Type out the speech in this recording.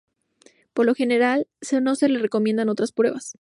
Por lo general, no se recomiendan otras pruebas.